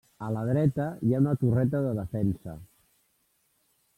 A la dreta hi ha una torreta de defensa.